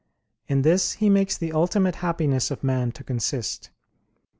In this he makes the ultimate happiness of man to consist.